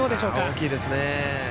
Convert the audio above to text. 大きいですね。